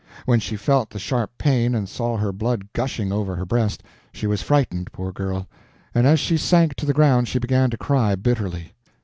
When she felt the sharp pain and saw her blood gushing over her breast, she was frightened, poor girl, and as she sank to the ground she began to cry bitterly.